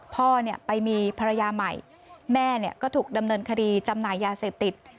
พ่อไปมีภรรยาใหม่แม่ก็ถูกดำเนินคดีจำหน่ายยาเสพติด